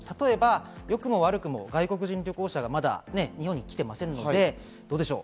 良くも悪くも外国人旅行者がまだ日本に来ていませんので、どうでしょう？